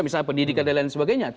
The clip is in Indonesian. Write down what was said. misalnya pendidikan dan lain sebagainya